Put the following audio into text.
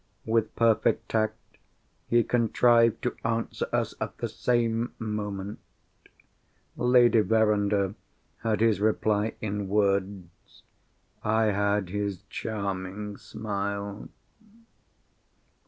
With perfect tact, he contrived to answer us at the same moment. Lady Verinder had his reply in words. I had his charming smile.